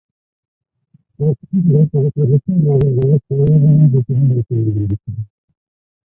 Test ক্রিকেটে তিনি Pakistan cricket দলের সহ-অধিনায়ক হিসেবে দায়িত্ব পালন করছেন।